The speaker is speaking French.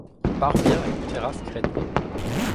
On parvient à une terrasse crénelée.